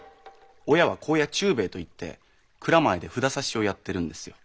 親は香屋忠兵衛といって蔵前で札差をやってるんですよ。